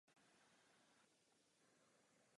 Je v ní malý rybníček.